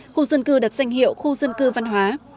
khu dân cư đặt danh hiệu khu dân cư văn hóa